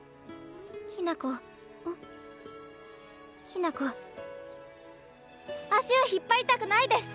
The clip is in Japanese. きな子足を引っ張りたくないです！